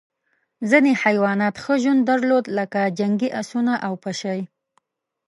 ځینې حیوانات ښه ژوند درلود لکه جنګي اسونه او پشۍ.